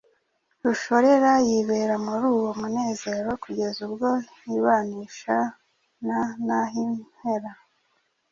Rushorera yibera muri uwo munezero kugeza ubwo yibanisha na Nahimpera.